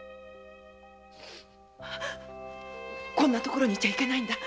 こんな所にいちゃいけないんだ。